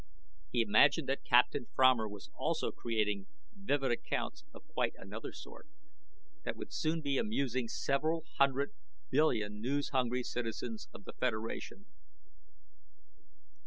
He imagined that Captain Fromer was also creating vivid accounts of quite another sort that would soon be amusing several hundred billion news hungry citizens of the Federation.